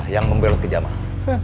yang membelut kejamah